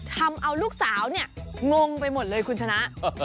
ทำเอาลูกสาวเนี่ยงงไปหมดเลยคุณชนะ